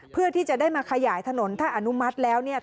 เพื่อที่จะได้มาขยายถนนถ้าอนุมัติแล้วเนี่ย